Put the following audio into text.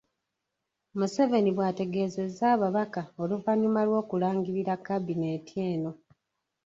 Museveni bw’ategeezezza ababaka oluvannyuma lw’okulangirira kabineeti eno.